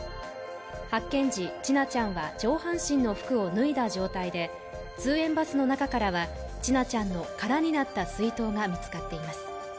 発見時、千奈ちゃんは上半身の服を脱いだ状態で通園バスの中からは千奈ちゃんの空になった水筒が見つかっています。